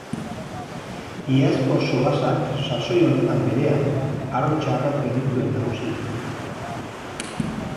Iazko solasak, sasoi honetan berean, aro txarraz genituen nagusiki.